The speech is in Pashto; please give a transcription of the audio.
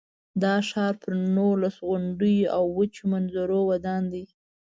دا ښار پر نولس غونډیو او وچو منظرو ودان دی.